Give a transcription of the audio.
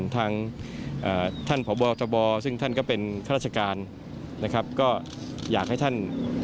ทั้งราชการก็อยากให้ท่าน